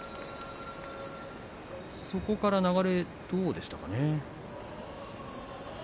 そこから流れどうでしたかね。